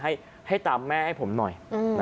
ให้ตามแม่ให้ผมหน่อย